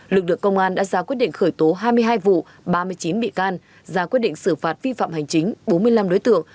lực lượng công an đã ra quyết định khởi tố hai mươi hai vụ ba mươi chín bị can ra quyết định xử phạt vi phạm hành chính bốn mươi năm đối tượng